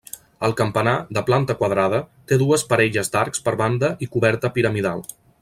El campanar, de planta quadrada, té dues parelles d'arcs per banda i coberta piramidal.